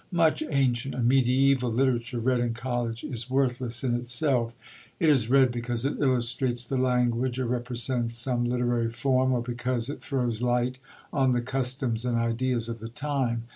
Much ancient and mediæval literature read in college is worthless in itself; it is read because it illustrates the language, or represents some literary form, or because it throws light on the customs and ideas of the time.